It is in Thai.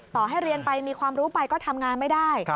ให้เรียนไปมีความรู้ไปก็ทำงานไม่ได้